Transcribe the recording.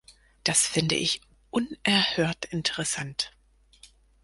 Das finde ich unerhört interessant.